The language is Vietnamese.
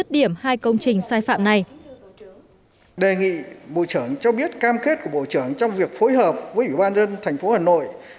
đề nghị bộ trưởng cho biết cam kết của bộ trưởng trong việc phối hợp với ủy ban dân thành phố hà nội